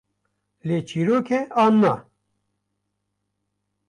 Lê çîrok e, an na?